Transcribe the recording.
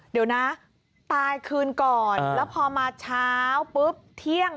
เดี๋ยวนะตายคืนก่อนแล้วพอมาเช้าปุ๊บเที่ยง